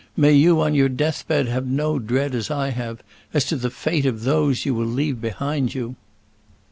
May you on your death bed have no dread as I have, as to the fate of those you will leave behind you!"